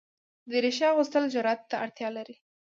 دریشي اغوستل جرئت ته اړتیا لري.